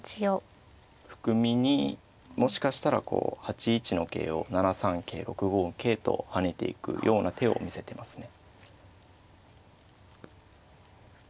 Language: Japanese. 含みにもしかしたらこう８一の桂を７三桂６五桂と跳ねていくような手を見せてますね。